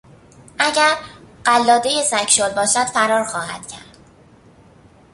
اگر قلاده سگ شل باشد فرار خواهد کرد.